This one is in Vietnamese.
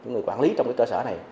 và các người quản lý trong cơ sở này